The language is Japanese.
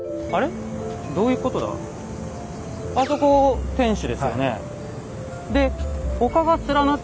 あそこ天守ですよね。